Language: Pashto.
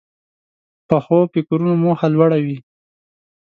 پخو فکرونو موخه لوړه وي